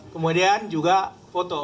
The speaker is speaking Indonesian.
kemudian juga foto